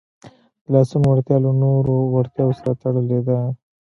د لاسونو وړتیا له نورو وړتیاوو سره تړلې ده.